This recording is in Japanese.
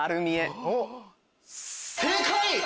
正解！